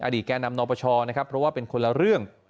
แก่นำนปชนะครับเพราะว่าเป็นคนละเรื่อง